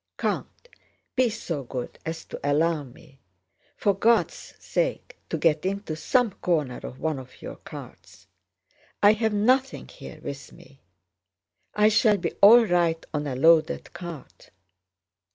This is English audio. "Count, be so good as to allow me... for God's sake, to get into some corner of one of your carts! I have nothing here with me.... I shall be all right on a loaded cart...."